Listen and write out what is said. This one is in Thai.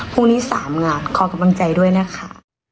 พรุ่งนี้๓งานขอกำลังใจด้วยนะคะ